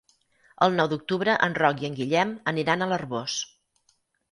El nou d'octubre en Roc i en Guillem aniran a l'Arboç.